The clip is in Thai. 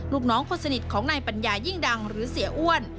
ลูกน้องคนสนิทของนายปัญญายิ่งดังหรือเสียอ้วน